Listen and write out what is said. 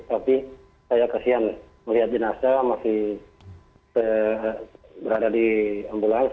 tapi saya kasihan melihat jenazah masih berada di ambulans